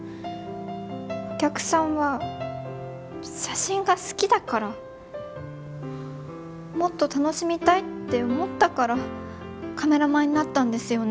お客さんは写真が好きだからもっと楽しみたいって思ったからカメラマンになったんですよね？